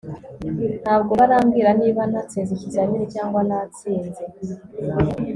ntabwo barambwira niba natsinze ikizamini cyangwa ntatsinze